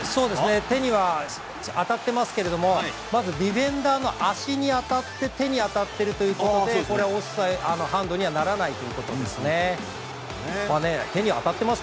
手には当たってますけれどもまずディフェンダーの足に当たって手に当たってるということでこれはハンドにはならないということですね。